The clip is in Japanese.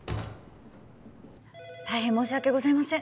たいへん申し訳ございません。